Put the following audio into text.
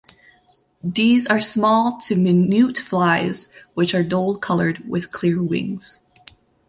These are small to minute flies which are dull coloured with clear wings.